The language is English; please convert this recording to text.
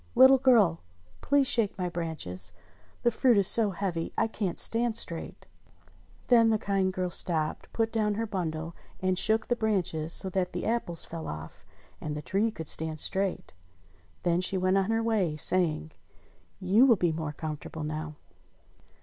Little girl! Please shake my branches. The fruit is so heavy I can't stand straight !" Then the kind girl stopped, put down her bundle, and shook the branches so that the apples fell off, and the tree could stand straight. Then she went on her way, saying : "You will be more comfortable now."